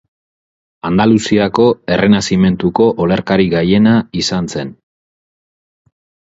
Andaluziako Errenazimentuko olerkari gailena izan zen.